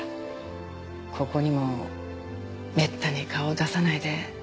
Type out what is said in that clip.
ここにもめったに顔を出さないで。